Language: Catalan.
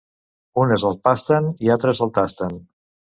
Unes el pasten i altres el tasten.